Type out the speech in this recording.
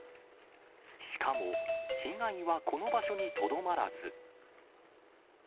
しかも、被害はこの場所にとどまらず。